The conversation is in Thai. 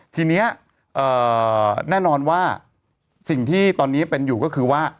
ทีนี้แน่นอนว่าสิ่งที่ตอนนี้เป็นอยู่ก็คือว่า